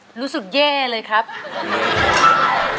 เพลงนี้ที่๕หมื่นบาทแล้วน้องแคน